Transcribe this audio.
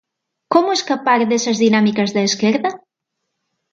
Como escapar desas dinámicas da esquerda?